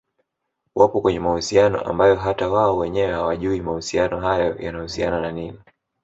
wapo kwenye mahusiano ambayo hata wao wenyewe hawajui mahusiano hayo yanahusiana na nini